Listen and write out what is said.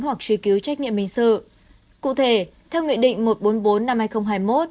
hoặc truy cứu trách nhiệm hình sự cụ thể theo nghị định một trăm bốn mươi bốn năm hai nghìn hai mươi một